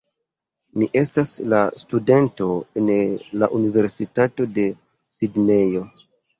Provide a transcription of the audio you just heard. Mi estas la studento en la Universitato de Sidnejo